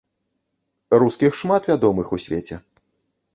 Рускіх шмат вядомых у свеце.